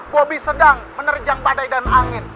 bobi sedang menerjang badai dan angin